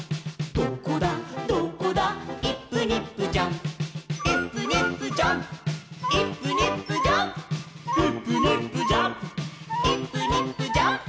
「どこだどこだイップニップジャンプ」「イップニップジャンプイップニップジャンプ」「イップニップジャンプイップニップジャンプ」